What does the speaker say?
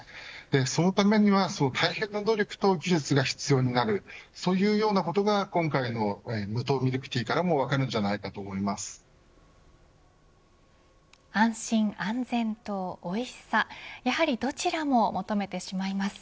そのためには大変な努力と技術が必要になるそういうようなことが今回の無糖ミルクティーからも安心安全とおいしさやはりどちらも求めてしまいます。